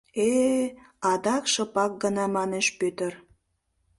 — Э... — адак шыпак гына манеш Пӧтыр.